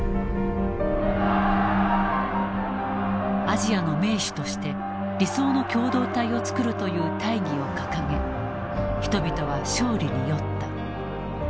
アジアの盟主として理想の共同体を作るという大義を掲げ人々は勝利に酔った。